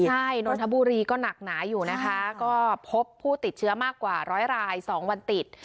ใช่นนทบุรีก็หนักหนาอยู่นะคะก็พบผู้ติดเชื้อมากกว่าร้อยราย๒วันติด